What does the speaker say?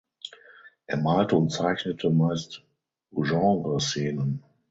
Er malte und zeichnete meist Genreszenen.